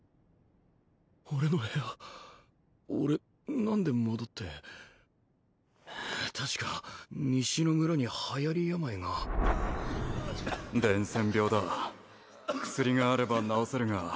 俺の部屋俺何で戻って確か西の村にはやり病が伝染病だ薬があれば治せるが